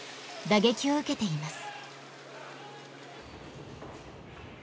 打撃を受けています。